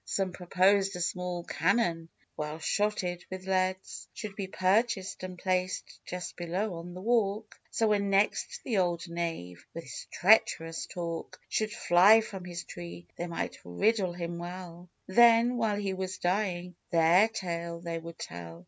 Some proposed a small cannon, well shotted with leads, Should be purchased, and placed just below on the walk, So, when next the old knave, with his treacherous talk, Should fly from his tree, they might riddle him well ; Then, while he was dying, their tale they would tell.